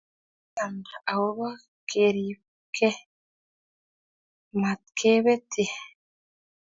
Mestowot kokiamda agobo keribke matkepetye